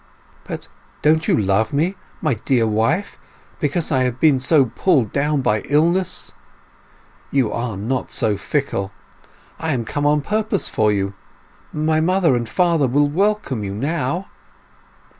"But don't you love me, my dear wife, because I have been so pulled down by illness? You are not so fickle—I am come on purpose for you—my mother and father will welcome you now!"